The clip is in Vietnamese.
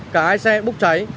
cả hai xe bốc cháy